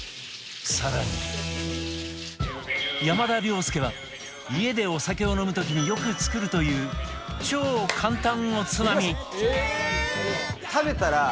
更に山田涼介は家でお酒を飲む時によく作るという超簡単おつまみ